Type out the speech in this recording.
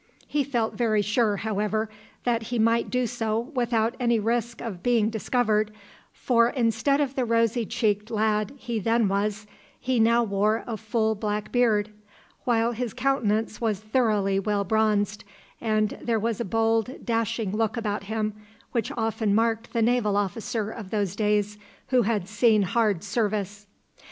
He felt very sure, however, that he might do so without any risk of being discovered, for instead of the rosy cheeked lad he then was, he now wore a full black beard, while his countenance was thoroughly well bronzed, and there was a bold, dashing look about him which often marked the naval officer of those days who had seen hard service.